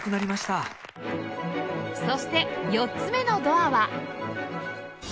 そして４つ目のドアは